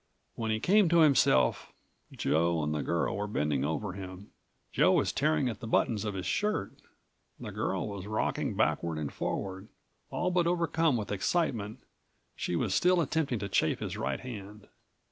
When he came to himself, Joe and the girl174 were bending over him. Joe was tearing at the buttons of his shirt. The girl was rocking backward and forward. All but overcome with excitement, she was still attempting to chafe his right hand.